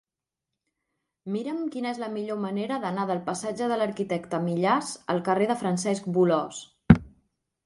Mira'm quina és la millor manera d'anar del passatge de l'Arquitecte Millàs al carrer de Francesc Bolòs.